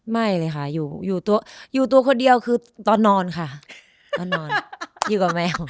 ไม่เลยค่ะอยู่ตัวคนเดียวคือตอนนอนค่ะตอนนอนอยู่กับแมว